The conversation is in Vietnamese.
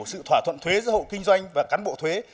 sự thỏa thuận thuế giữa hộ kinh doanh và cán bộ thuế